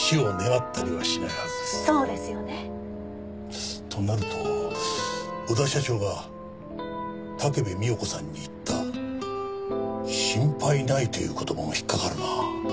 そうですよね！となると小田社長が武部美代子さんに言った「心配ない」という言葉も引っ掛かるな。